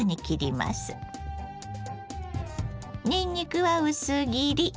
にんにくは薄切り。